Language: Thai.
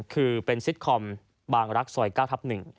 คือเป็นซิตคอมบางรักซอย๙ทับ๑